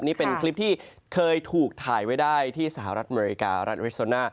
นี่เป็นคลิปที่เคยถูกถ่ายไว้ได้ที่สหรัฐอเมริกา